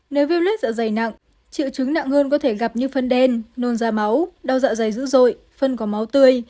nếu viêm lết dạ dày nặng triệu chứng nặng hơn có thể gặp như phân đen nôn da máu đau dạ dày dữ dội phân có máu tươi